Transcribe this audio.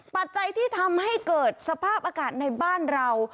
ปัจจัยที่ทำให้เกิดสภาพอากาศในบ้านเรา